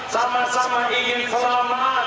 sama sama ingin selamat